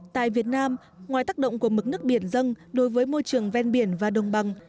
tại việt nam ngoài tác động của mức nước biển dân đối với môi trường ven biển và đồng bằng